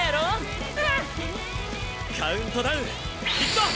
カウントダウンいくぞ！